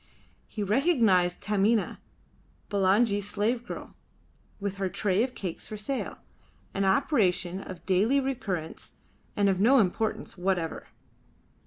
He recognised Taminah, Bulangi's slave girl, with her tray of cakes for sale an apparition of daily recurrence and of no importance whatever.